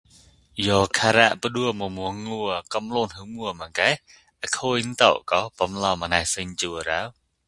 ယဝ်ခါရပ္ဍဲမွဲမွဲတ္ၚဲကမၠောန်ဟွံမွဲမ္ဂးအခိင်တံဂှ် ဗီုလဵုမၞးသုင်စောဲရော?